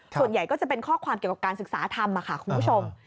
ส่วนใหญ่ก็จะเป็นข้อความเกี่ยวกับการศึกษาธรรมค่ะคุณผู้ชม